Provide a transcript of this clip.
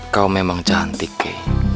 kau memang cantik kay